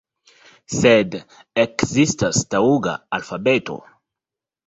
Sed ekzistas taŭga alfabeto.